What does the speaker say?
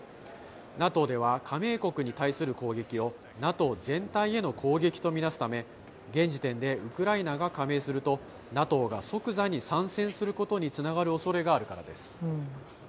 ＮＡＴＯでは加盟国に対する攻撃をＮＡＴＯ全体への攻撃とみなすため現時点でウクライナが加盟するとＮＡＴＯが即座に参戦することにつながる恐れがあるからです。